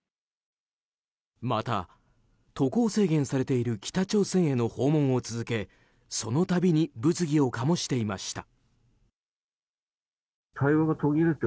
また、渡航制限されている北朝鮮への訪問を続けその度に物議を醸していました。